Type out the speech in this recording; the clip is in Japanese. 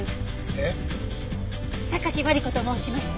えっ？榊マリコと申します。